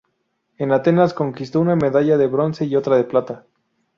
En Atenas conquistó una medalla de bronce y otra de plata.